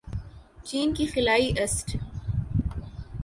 چین کے خلائی اسٹ